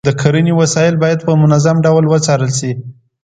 د کرنې وسایل باید په منظم ډول وڅارل شي.